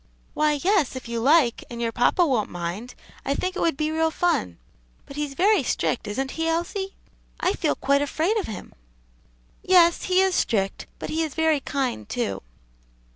"Why, yes, if you like, and your papa won't mind I think it would be real fun. But he's very strict, isn't he, Elsie? I feel quite afraid of him." "Yes, he is strict, but he is very kind, too."